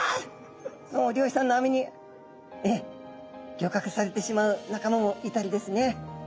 もう漁師さんの網に漁獲されてしまう仲間もいたりですね。